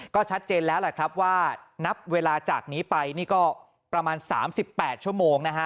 ก็ชัดเจนแล้วแหละครับว่านับเวลาจากนี้ไปนี่ก็ประมาณ๓๘ชั่วโมงนะฮะ